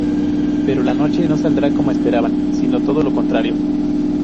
Pero la noche no saldrá como esperaban, sino todo lo contrario.